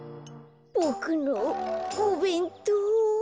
ボクのおべんとう。